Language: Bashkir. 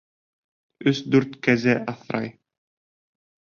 Өс-дүрт кәзә аҫрай.